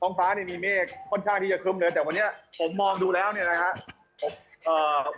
ฟ้านี่มีเมฆค่อนข้างที่จะครึ่มเลยแต่วันนี้ผมมองดูแล้วเนี่ยนะครับเอ่อ